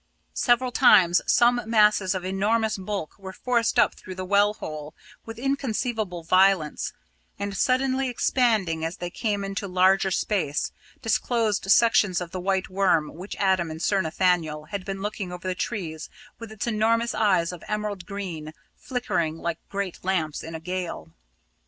Several times some masses of enormous bulk were forced up through the well hole with inconceivable violence, and, suddenly expanding as they came into larger space, disclosed sections of the White Worm which Adam and Sir Nathaniel had seen looking over the trees with its enormous eyes of emerald green flickering like great lamps in a gale.